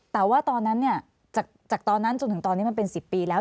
แต่ว่าตอนนั้นจากตอนนั้นจนถึงตอนนี้มันเป็น๑๐ปีแล้ว